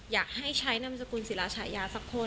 อยากให้ใช้นามสกุลศิลาชายาสักคน